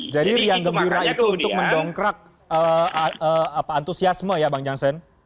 jadi rian gembira itu untuk mendongkrak apa antusiasme ya bang jansen